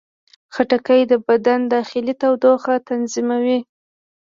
خټکی د بدن داخلي تودوخه تنظیموي.